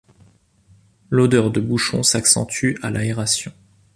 L'odeur de bouchon s'accentue à l'aération.